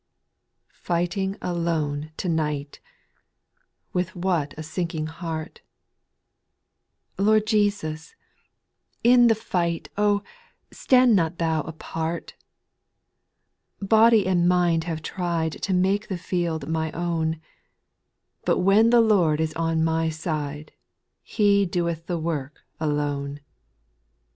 Fighting alone to night I With what a sinking heart ;— Lord Jesus, in the fight Oh I stand not Thou apart 1 8. Body and mind have tried To make the field my own ; But when the Lord is on my side, He doeth the work alone.